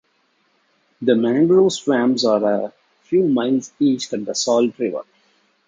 The mangrove swamps are a few miles east at the Salt River.